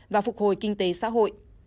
và phục hồi kinh tế xã hội